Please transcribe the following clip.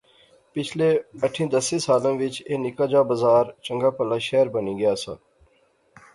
پچھلے آٹھِیں دسیں سالیں وچ ایہہ نکا جا بزار چنگا پہلا شہر بنی گیا سا